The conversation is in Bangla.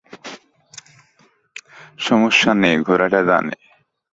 সমস্যা নেই, ঘোড়াটা জানে।